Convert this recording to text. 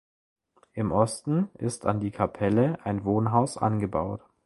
Im Osten ist an die Kapelle ein Wohnhaus angebaut.